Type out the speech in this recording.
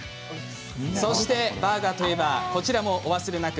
そしてバーガーといえばこちらもお忘れなく。